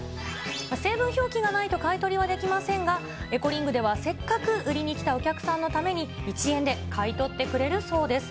成分表記がないと買い取りはできませんが、エコリングでは、せっかく売りに来たお客さんのために、１円で買い取ってくれるそうです。